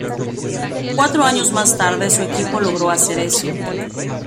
Cuatro años más tarde, su equipo logró hacer eso.